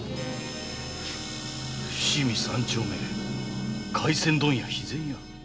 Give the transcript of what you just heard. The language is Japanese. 「伏見三丁目回船問屋肥前屋」。